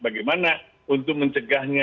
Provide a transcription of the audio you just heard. bagaimana untuk mencegahnya